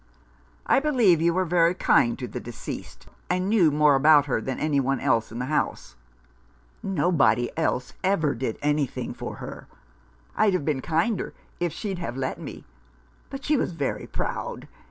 " I believe you were very kind to the deceased, 147 Rough Justice. and knew more about her than any one else in the house ?"" Nobody else ever did anything for her. I'd have been kinder if she'd have let me ; but she was very proud.